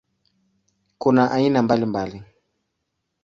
Kuna aina mbalimbali.